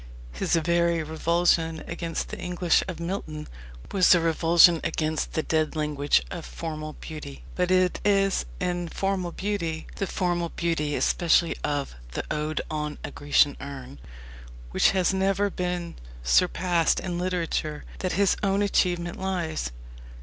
His very revulsion against the English of Milton was a revulsion against the dead language of formal beauty. But it is in formal beauty the formal beauty especially of the Ode on a Grecian Urn, which has never been surpassed in literature that his own achievement lies.